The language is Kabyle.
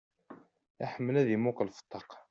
Iḥemmel ad imuqqel f ṭṭaq.